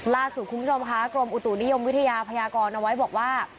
คุณผู้ชมค่ะกรมอุตุนิยมวิทยาพยากรเอาไว้บอกว่า